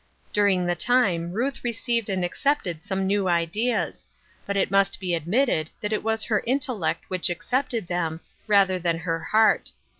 During the time Ruth received and accepted some new ideas ; but it must be admitted that it was her intellect which accepted them, rather than her heart.